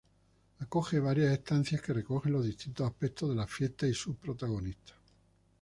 Acoge varias estancias que recogen los distintos aspectos de la fiesta y sus protagonistas.